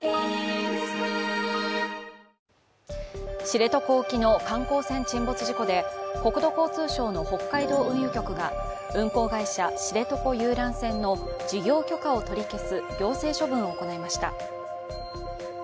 知床沖の観光船沈没事故で国土交通省の北海道運輸局が運航会社、知床遊覧船の事業許可を取り消す行政処分を行いました。